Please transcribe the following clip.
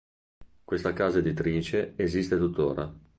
Questa casa editrice esiste tuttora.